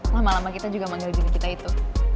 lama lama kita juga manggil diri kita itu